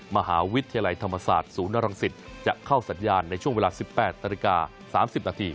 มหาวิทยาลัยธรรมศาสตร์ศูนย์รังสิตจะเข้าสัญญาณในช่วงเวลา๑๘นาฬิกา๓๐นาที